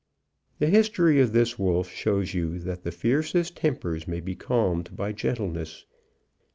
The history of this wolf shows you that the fiercest tempers may be calmed by gentleness.